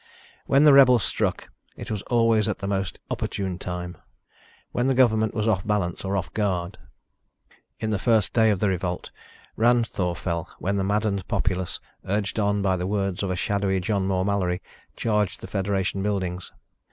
When the rebels struck it was always at the most opportune time, when the government was off balance or off guard. In the first day of the revolt, Ranthoor fell when the maddened populace, urged on by the words of a shadowy John Moore Mallory, charged the federation buildings.